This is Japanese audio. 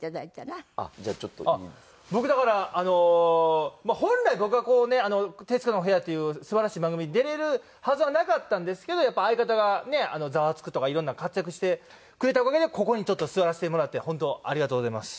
僕だから本来僕は『徹子の部屋』という素晴らしい番組出れるはずはなかったんですけどやっぱり相方が『ザワつく！』とかいろんな活躍してくれたおかげでここに座らせてもらって本当ありがとうございます。